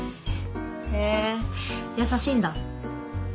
へえ優しいんだ？